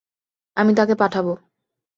আমি তাকে পাঠাব।